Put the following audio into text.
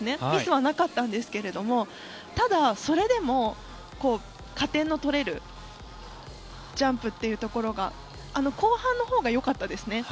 ミスはなかったんですがただ、それでも加点の取れるジャンプというところが後半のほうがよかったですね